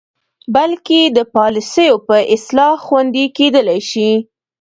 بلکې د پالسیو په اصلاح خوندې کیدلې شي.